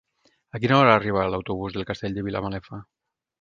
A quina hora arriba l'autobús del Castell de Vilamalefa?